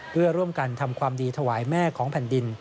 เพื่อร่วมกันทำความดีถวายแม่ของแผ่นดิน